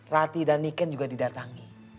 rati dan niken juga didatangi